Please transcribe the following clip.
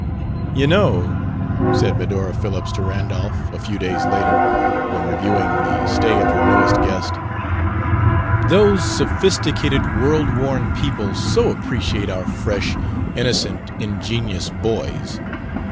"You know," said Medora Phillips to Randolph, a few days later, when reviewing the stay of her newest guest, "Those sophisticated, world worn people so appreciate our fresh, innocent, ingenuous boys.